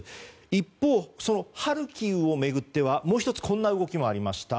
一方、ハルキウを巡ってはもう１つこんな動きもありました。